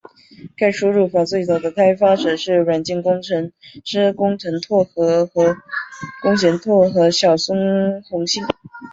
该输入法最早的开发者是软件工程师工藤拓和小松弘幸。